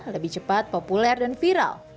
lebih cepat populer dan viral